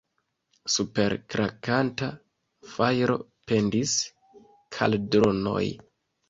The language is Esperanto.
Super krakanta fajro pendis kaldronoj.